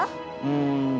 うん。